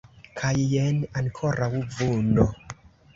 Kaj, jen, ankoraŭ vundo.